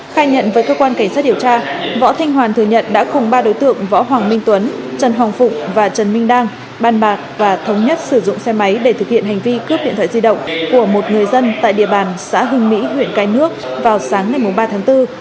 khai nhận với cơ quan cảnh sát điều tra võ thanh hoàn thừa nhận đã cùng ba đối tượng võ hoàng minh tuấn trần hồng phụng và trần minh đang bàn bạc và thống nhất sử dụng xe máy để thực hiện hành vi cướp điện thoại di động của một người dân tại địa bàn xã hưng mỹ huyện cái nước vào sáng ngày ba tháng bốn